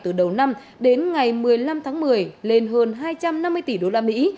từ đầu năm đến ngày một mươi năm tháng một mươi lên hơn hai trăm năm mươi tỷ đô la mỹ